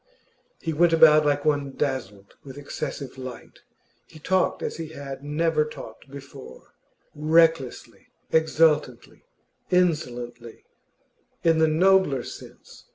He went about like one dazzled with excessive light. He talked as he had never talked before, recklessly, exultantly, insolently in the nobler sense.